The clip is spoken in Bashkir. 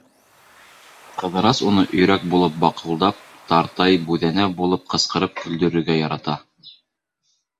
Ҡыҙырас уны өйрәк булып баҡылдап, тартай, бүҙәнә булып ҡысҡырып көлдөрөргә ярата.